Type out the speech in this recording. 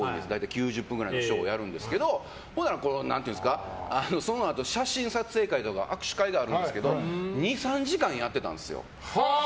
９０分くらいのショーをやるんですけどそのあと写真撮影会とか握手会があるんですけど２３時間やってたんですよ。